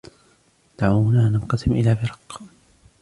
دعونا ننقسم إلى فرق.